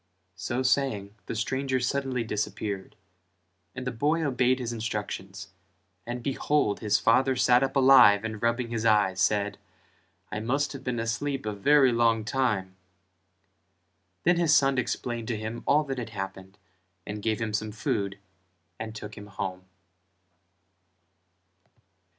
So saying the stranger suddenly disappeared; and the boy obeyed his instructions and behold his father sat up alive and rubbing his eyes said "I must have been asleep a very long time." Then his son explained to him all that had happened and gave him some food and took him home.